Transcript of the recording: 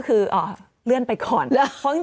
คุณบริษัทบริษัทบริษัทบริษัท